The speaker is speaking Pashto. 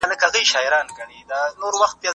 د ماشومانو لپاره د پلار لاسونه تر هر څه قیمتي دي.